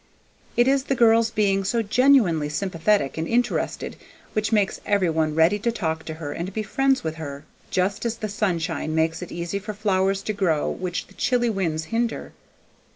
It is the girl's being so genuinely sympathetic and interested which makes every one ready to talk to her and be friends with her; just as the sunshine makes it easy for flowers to grow which the chilly winds hinder.